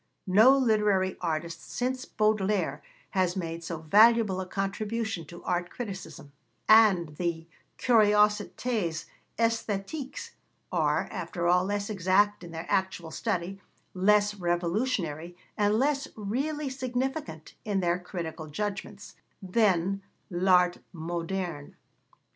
No literary artist since Baudelaire has made so valuable a contribution to art criticism, and the Curiosités Esthétiques are, after all, less exact in their actual study, less revolutionary, and less really significant in their critical judgments, than L'Art Moderne.